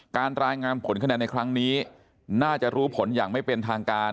รายงานผลคะแนนในครั้งนี้น่าจะรู้ผลอย่างไม่เป็นทางการ